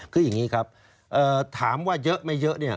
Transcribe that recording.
คืออย่างนี้ครับถามว่าเยอะไม่เยอะเนี่ย